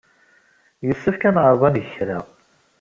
Yessefk ad neɛreḍ ad neg kra.